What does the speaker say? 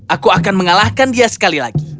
aku akan mengalahkan dia sekali lagi